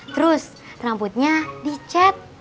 terus rambutnya dicet